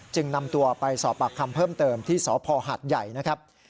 นำตัวไปสอบปากคำเพิ่มเติมที่สพหัดใหญ่นะครับ